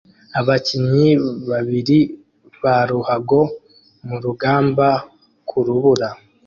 Abakinnyi babiri ba ruhago murugamba kurubura